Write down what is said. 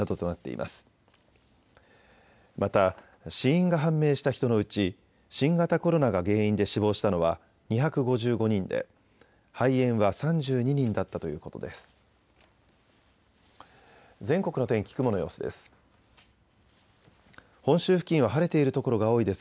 また死因が判明した人のうち新型コロナが原因で死亡したのは２５５人で肺炎は３２人だったということです。